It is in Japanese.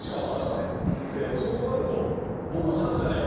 でそうなると僕は裸じゃないよ。